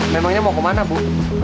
memangnya mau kemana bu